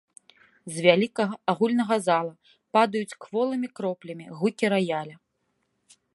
З вялікага агульнага зала падаюць кволымі кроплямі гукі раяля.